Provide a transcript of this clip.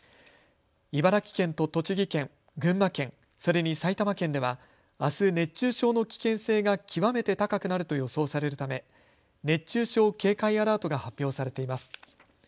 茨城県と栃木県、群馬県、それに埼玉県ではあす熱中症の危険性が極めて高くなると予想されるため、熱中症警戒アラートが発表されています。